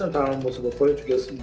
dan mereka akan lebih baik